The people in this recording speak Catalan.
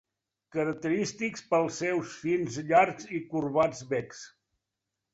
Característics pels seus fins, llargs i corbats becs.